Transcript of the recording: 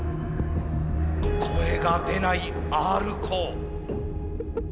声が出ないＲコー。